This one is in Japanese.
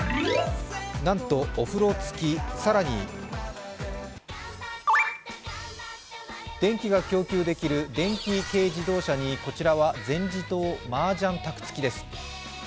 なんと、お風呂付き、更に、電気が供給できる電気軽自動車にこちらは全自動マージャン卓付きです。